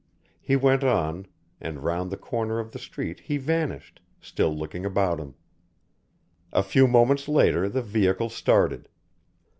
He went on, and round the corner of the street he vanished, still looking about him. A few moments later the vehicle started.